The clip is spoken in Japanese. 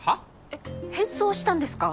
えっ変装したんですか！？